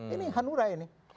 ini hanura ini